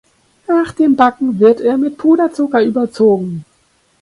Nach dem Backen wird er mit Puderzucker überzogen.